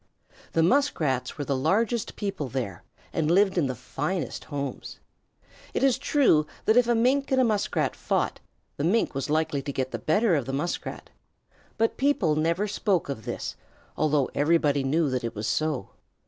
The Muskrats were the largest people there, and lived in the finest homes. It is true that if a Mink and a Muskrat fought, the Mink was likely to get the better of the Muskrat, but people never spoke of this, although everybody knew that it was so.